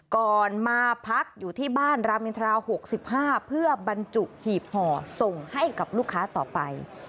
ก่อนมาพักอยู่ที่บ้านรามอินทรา๖๕เพื่อบรรจุหีบห่อส่งให้กับลูกค้าต่อไป